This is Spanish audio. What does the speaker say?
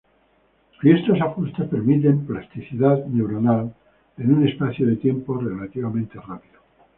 Y estos ajustes permiten plasticidad neuronal en un espacio de tiempo relativamente rápido.